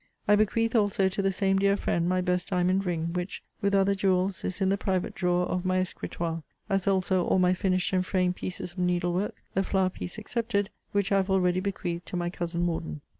I bequeath also to the same dear friend my best diamond ring, which, with other jewels, is in the private drawer of my escritoire: as also all my finished and framed pieces of needle work; the flower piece excepted, which I have already bequeathed to my cousin Morden.